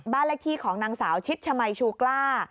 บ้านเลขที่ของนางสาวชิดชมัยชูกล้า